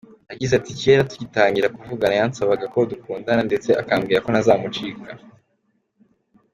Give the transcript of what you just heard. Yagize ati “Kera tugitangira kuvugana, yansabaga ko dukundana ndetse akambwira ko ntazamucika.